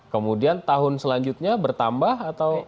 kemudian tahun selanjutnya bertambah atau